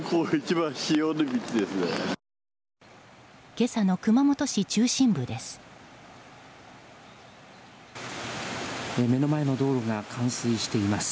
今朝の熊本市中心部です。